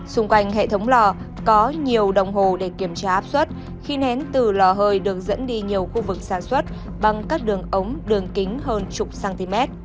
xung quanh hệ thống lò có nhiều đồng hồ để kiểm tra áp suất khí nén từ lò hơi được dẫn đi nhiều khu vực sản xuất bằng các đường ống đường kính hơn chục cm